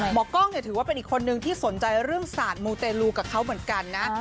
กล้องเนี่ยถือว่าเป็นอีกคนนึงที่สนใจเรื่องศาสตร์มูเตลูกับเขาเหมือนกันนะ